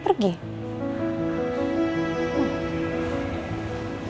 terus dia pergi